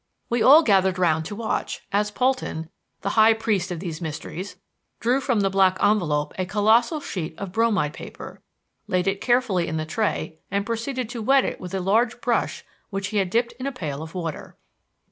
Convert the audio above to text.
We all gathered round to watch, as Polton the high priest of these mysteries drew from the black envelope a colossal sheet of bromide paper, laid it carefully in the tray and proceeded to wet it with a large brush which he had dipped in a pail of water.